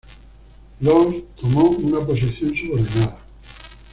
Loos tomó una posición subordinada.